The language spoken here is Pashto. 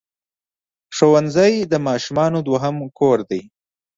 ښوونځی د ماشومانو دوهم کور دی.